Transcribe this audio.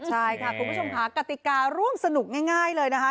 ใช่ค่ะคุณผู้ชมค่ะกติการ่วมสนุกง่ายเลยนะคะ